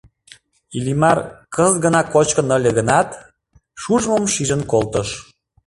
Иллимар, кызыт гына кочкын ыле гынат, шужымым шижын колтыш.